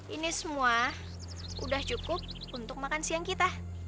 ini semua sudah cukup untuk makan siang kita